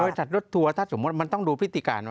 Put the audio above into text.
บริษัทรถทัวร์ถ้าสมมติมันต้องดูพฤติการ